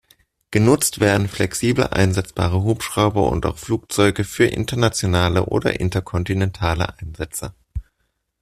Genutzt werden flexibel einsetzbare Hubschrauber und auch Flugzeuge für internationale oder interkontinentale Einsätze.